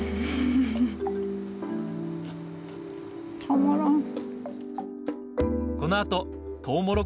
たまらん。